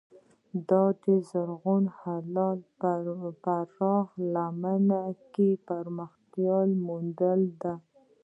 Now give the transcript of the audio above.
دا د زرغون هلال په پراخه لمن کې پراختیا موندلې ده.